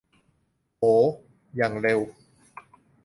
โห อย่างเร็ว